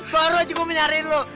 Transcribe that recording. baru aja gue menyarin lo